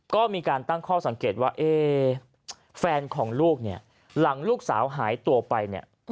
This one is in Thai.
ก็มีการตั้งข้อสังเกตว่าแฟนของลูกเนี่ยหลังลูกสาวหายตัวไปเนี่ย